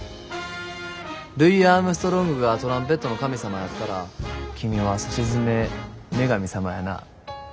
ルイ・アームストロングがトランペットの神様やったら君はさしずめ女神様やな。